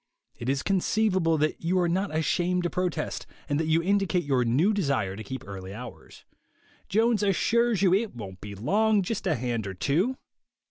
It is conceivable that you are not ashamed to protest, and that you indicate your new desire to keep early hours. Jones assures you it won't be long; just a hand or two.